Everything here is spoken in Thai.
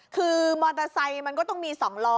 คือมอเตอร์ไซค์มันก็ต้องมี๒ล้อ